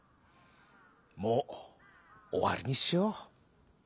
もうおわりにしよう」。